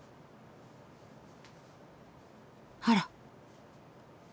あら。